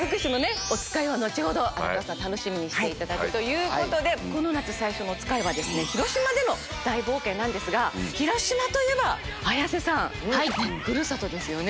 荒川さん楽しみにしていただくということでこの夏最初のおつかいは広島での大冒険なんですが広島といえば綾瀬さんふるさとですよね。